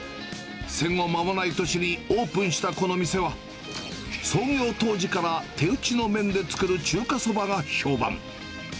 戦後まもない年にオープンしたこの店は、創業当時から手打ちの麺で作る中華そばが評判。